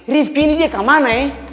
rif gini dia kemana ya